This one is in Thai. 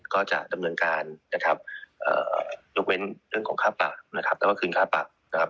ก็จะดำเนินการยกเว้นเรื่องของค่าปรับแล้วก็คืนค่าปรับ